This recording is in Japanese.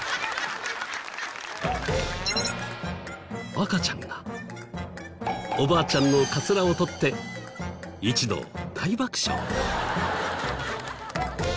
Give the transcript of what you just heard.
赤ちゃんがおばあちゃんのカツラを取って一同大爆笑。